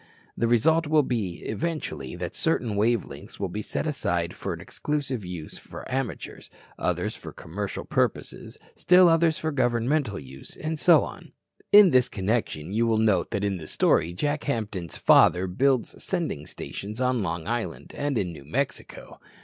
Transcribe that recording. The result will be, eventually, that certain wave lengths will be set aside for the exclusive use of amateurs, others for commercial purposes, still others for governmental use, and so on. In this connection, you will note that in the story Jack Hampton's father builds sending stations on Long Island and in New Mexico.